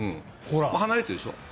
離れてるでしょ。